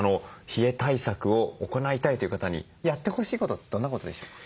冷え対策を行いたいという方にやってほしいことってどんなことでしょうか？